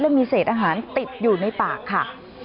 และมีเศษอาหารติดอยู่ในปากค่ะ